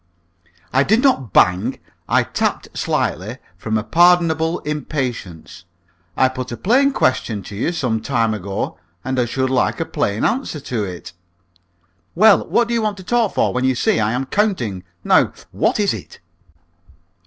"I did not bang. I tapped slightly from a pardonable impatience. I put a plain question to you some time ago, and I should like a plain answer to it." "Well, what do you want to talk for when you see I am counting? Now, what is it?"